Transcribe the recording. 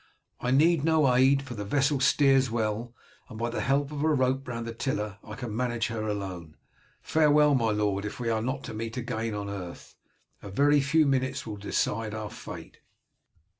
I need no aid, for the vessel steers well, and by the help of a rope round the tiller I can manage her alone. Farewell, my lord, if we are not to meet again on earth. A very few minutes will decide our fate."